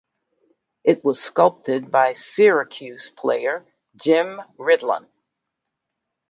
It was sculpted by Syracuse player Jim Ridlon.